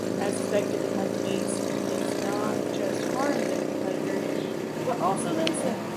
As expected, the companies does not just harm their competitors, but also themselves.